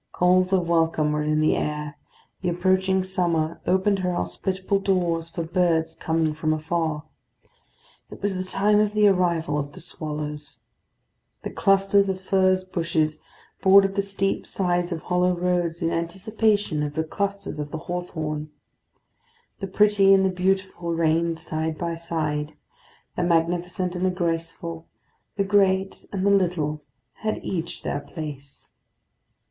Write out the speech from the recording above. Calls of welcome were in the air; the approaching summer opened her hospitable doors for birds coming from afar. It was the time of the arrival of the swallows. The clusters of furze bushes bordered the steep sides of hollow roads in anticipation of the clusters of the hawthorn. The pretty and the beautiful reigned side by side; the magnificent and the graceful, the great and the little, had each their place.